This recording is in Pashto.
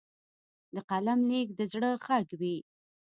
د قلم لیک د زړه غږ وي.